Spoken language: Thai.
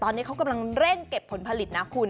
ตอนนี้เขากำลังเร่งเก็บผลผลิตนะคุณ